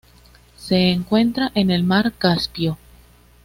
Se encuentra en la mar Caspio.